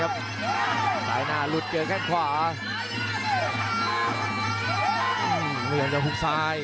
ยังจะเอียดเข้าฐานนะครับ